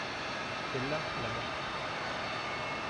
celle-là là-bas.